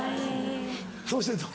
そうしてんの？